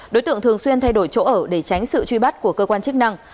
đối tượng thường xuyên thay đổi chỗ ở để tránh sự truy bắt của cơ quan chức năng